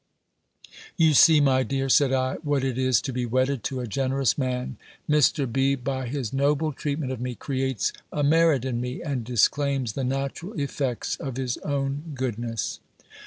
"You see, my dear," said I, "what it is to be wedded to a generous man. Mr. B., by his noble treatment of me, creates a merit in me, and disclaims the natural effects of his own goodness."